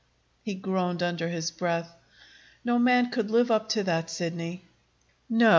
He groaned under his breath. "No man could live up to that, Sidney." "No.